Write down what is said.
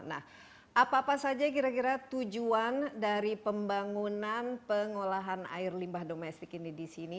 nah apa apa saja kira kira tujuan dari pembangunan pengolahan air limbah domestik ini di sini